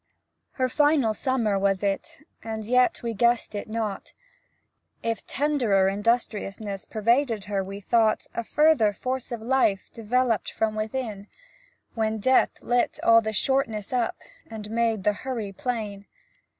Her final summer was it, And yet we guessed it not; If tenderer industriousness Pervaded her, we thought A further force of life Developed from within, When Death lit all the shortness up, And made the hurry plain.